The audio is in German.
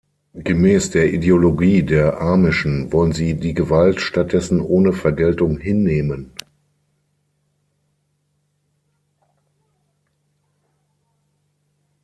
Gemäß der Ideologie der Amischen wollen sie die Gewalt stattdessen ohne Vergeltung hinnehmen.